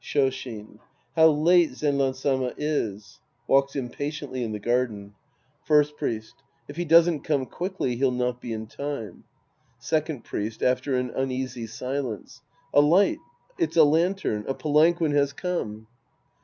Shoshin. How late Zenran Sama is ! {Walks impatiently in the garden.) First Priest. If he doesn't come quickly, he'll not be in time. Second Priest {after an uneasy silence). A light. It's a lantern. A palanquin has come.